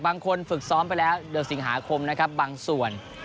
ฝึกซ้อมไปแล้วเดือนสิงหาคมนะครับบางส่วน